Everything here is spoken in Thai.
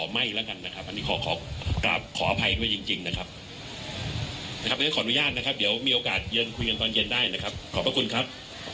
มีโอกาสคุยกันตอนเย็นได้นะครับขอบพระคุณครับ